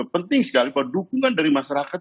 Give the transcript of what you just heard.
penting sekali bahwa dukungan dari masyarakat